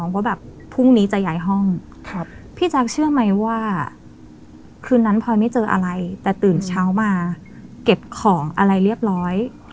คืนนั้นพอยไม่เจออะไรแต่ตื่นเช้ามาเก็บของอะไรเรียบร้อย